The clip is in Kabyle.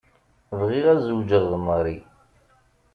Bɣiɣ ad zewǧeɣ d Mary.